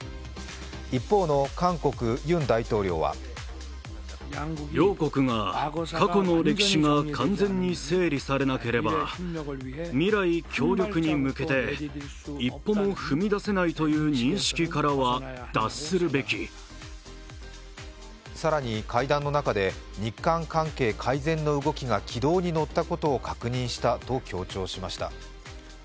一方の韓国・ユン大統領は更に会談の中で日韓関係改善の動きが軌道に乗ったことを確認したと強調しました。